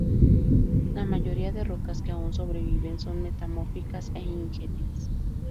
La mayoría de las rocas que aún sobreviven son metamórficas e ígneas.